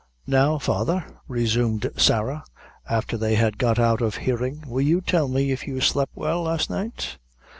"Now, father," resumed Sarah, after they had got out of hearing, "will you tell me if you slep' well last night?"